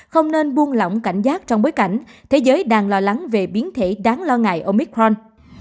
không nên buông lỏng cảnh giác trong bối cảnh thế giới đang lo lắng về biến thể đáng lo ngại ông michron